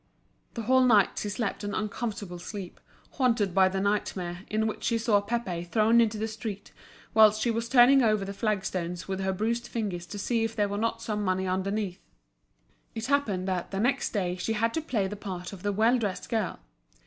The whole night she slept an uncomfortable sleep, haunted by the nightmare, in which she saw Pépé thrown into the street, whilst she was turning over the flagstones with her bruised fingers to see if there were not some money underneath. It happened that the next day she had to play the part of the well dressed girl.